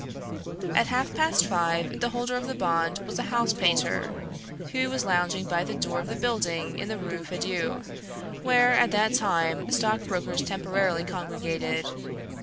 At half past five the holder of the bond was a house painter, who was lounging by the door of the building in the Rue Feydeau, where at that time stockbrokers temporarily congregated.